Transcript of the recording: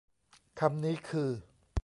คำนี้คือ